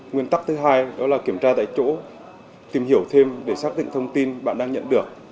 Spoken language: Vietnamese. nguyên tắc thứ hai đó là kiểm tra tại chỗ tìm hiểu thêm để xác định thông tin bạn đang nhận được